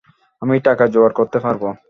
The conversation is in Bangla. আমি টাকা জোগাড় করতে পারবো।